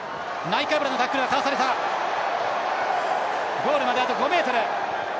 ゴールまで、あと５ｍ。